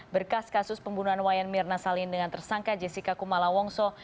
berkas kasus pembunuhan wayan mirna salihin dengan tersangka jessica kumala wongso